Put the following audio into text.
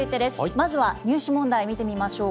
まずは入試問題、見てみましょう。